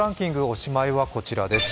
おしまいはこちらです。